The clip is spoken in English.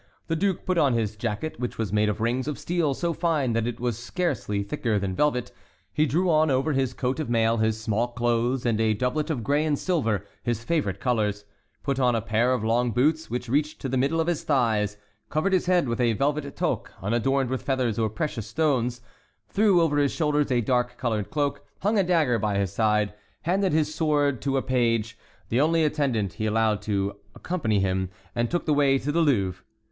The duke put on his jacket, which was made of rings of steel so fine that it was scarcely thicker than velvet; he then drew on over his coat of mail his small clothes and a doublet of gray and silver, his favorite colors, put on a pair of long boots which reached to the middle of his thighs, covered his head with a velvet toque unadorned with feathers or precious stones, threw over his shoulders a dark colored cloak, hung a dagger by his side, handed his sword to a page, the only attendant he allowed to accompany him, and took the way to the Louvre.